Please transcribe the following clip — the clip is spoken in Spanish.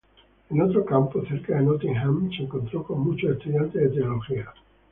En otro campo, cerca de Nottingham, se encontró con muchos estudiantes de teología.